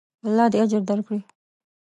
الله دې اجر درکړي.